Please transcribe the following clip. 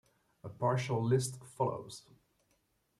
A partial list follows.